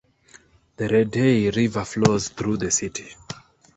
The Redeye River flows through the city.